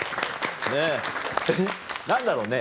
何だろうね。